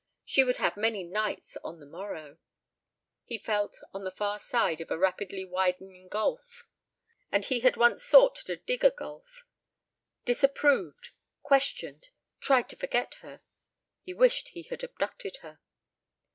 ... She would have many "knights" on the morrow ... he felt on the far side of a rapidly widening gulf ... and he had once sought to dig a gulf! Disapproved! Questioned! Tried to forget her! He wished he had abducted her.